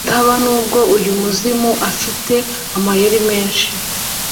mutaba nubwo uyu muzimu afite amayeri menshi